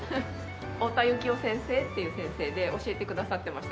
太田幸夫先生っていう先生で教えてくださってました